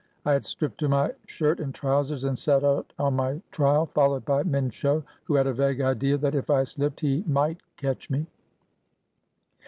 I had stripped to my shirt and trousers, and set out on my trial, followed by Minsho, who had a vague idea that if I slipped he might catch me.